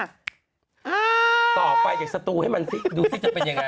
ตอบไปอยากสตูให้มันดูสิจะเป็นอย่างไร